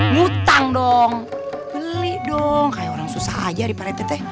ngutang dong beli dong kayak orang susah aja nih pak reti teh